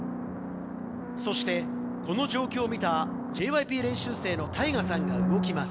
そしてこの状況を見た、ＪＹＰ練習生のタイガさんが動きます。